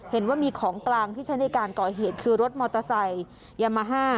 เห็นว่ามีของกลางที่ใช้ในการก่อเหตุคือรถมอเตอร์ไซค์ยามาฮ่า